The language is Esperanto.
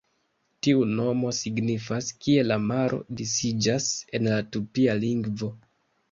Tiu nomo signifas "Kie la maro disiĝas", en la tupia lingvo.